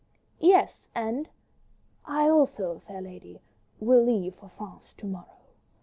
'" "Yes?—And?" "I also, fair lady, will leave for France to morrow.